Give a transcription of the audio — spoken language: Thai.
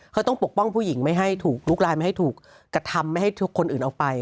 เขาต้องปกป้องผู้หญิงไม่ให้ถูกลุกลายไม่ให้ถูกกระทำไม่ให้คนอื่นเอาไป